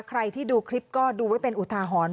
ใครที่ดูคลิปก็ดูไว้เป็นอุทาหรณ์